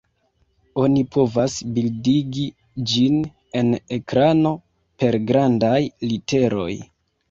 Oni povas bildigi ĝin en ekrano per grandaj literoj.